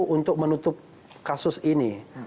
untuk menutup kasus ini